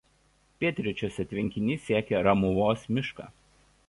Pietryčiuose tvenkinys siekia Ramuvos mišką.